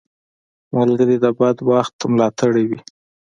ملګری د بد وخت ملاتړی وي